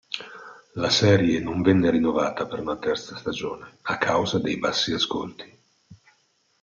La serie non venne rinnovata per una terza stagione a causa dei bassi ascolti.